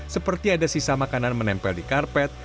seperti ada sisa makanan menempel di karpet